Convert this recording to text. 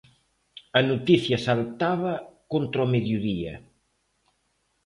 A noticia saltaba contra o mediodía.